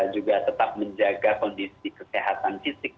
juga tetap menjaga kondisi kesehatan fisik